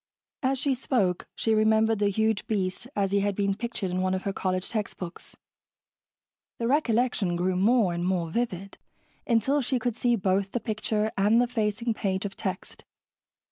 As she spoke, she remembered the huge beast as he had been pictured in one of her college textbooks. The recollection grew more and more vivid, until she could see both the picture and the facing page of text.